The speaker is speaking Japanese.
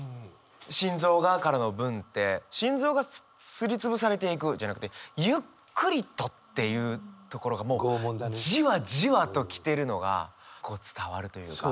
「心臓が」からの文って「心臓が、すり潰されてゆく」じゃなくて「ゆっくりと」っていうところがもうじわじわときてるのが伝わるというか。